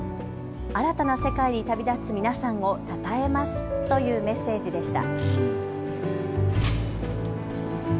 新たな世界に旅立つ皆さんをたたえますというメッセージでした。